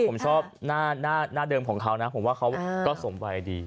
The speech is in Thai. ผมชอบหน้าเดิมของเขานะผมว่าเขาก็สมวัยดี